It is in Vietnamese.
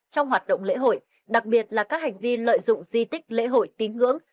trong hoạt động lễ hội đặc biệt là các hành vi lợi dụng di tích lễ hội tín ngưỡng